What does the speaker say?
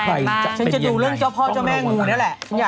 วันวันนี้จะดูเรื่องเจ้าพ่อเจ้าแม่งูเนี่ยแหละ